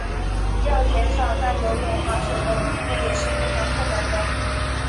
要减少他游泳划水的频率也是非常困难的。